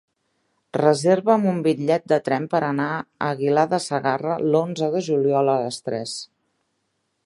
Reserva'm un bitllet de tren per anar a Aguilar de Segarra l'onze de juliol a les tres.